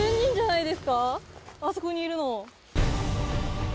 あそこにいるの。